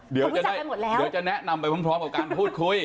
เดี๋ยวจะแนะนำไปพร้อมกับการพูดคุย